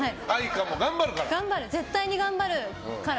絶対に頑張るから。